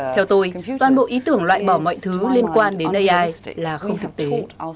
theo tôi toàn bộ ý tưởng loại bỏ mọi thứ liên quan đến ai là không thực tế